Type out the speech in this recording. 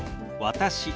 「私」。